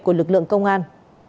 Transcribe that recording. của lực lượng công an